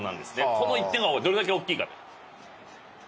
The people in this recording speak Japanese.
この１点がどれだけ大きいかという。